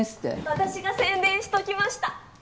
私が宣伝しときました。